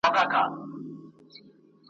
هم په منډه پهلوان وو تر هوسیانو `